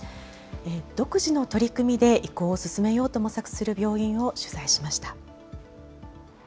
独自の取り組みで移行を進めようと模索する病院を取材しました。